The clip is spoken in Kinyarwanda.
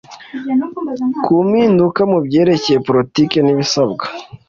ku mpinduka mu byerekeye politiki n ibisabwa